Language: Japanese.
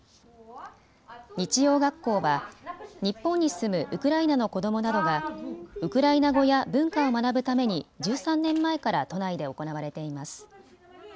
日曜学校は日本に住むウクライナの子どもなどがウクライナ語や文化を学ぶために１３年前から都内で行われています。